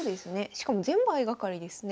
しかも全部相掛かりですね。